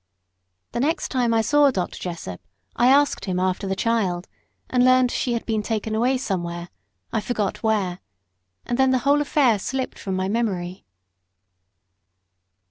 The next time I saw Dr. Jessop I asked him after the child, and learned she had been taken away somewhere, I forgot where; and then the whole affair slipped from my memory.